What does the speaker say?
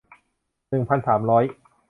หนึ่งพันสามร้อย